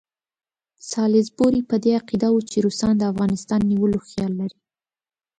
سالیزبوري په دې عقیده وو چې روسان د افغانستان نیولو خیال لري.